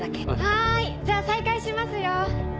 はーい！じゃあ再開しますよ。